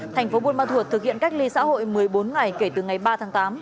thành phố buôn ma thuột thực hiện cách ly xã hội một mươi bốn ngày kể từ ngày ba tháng tám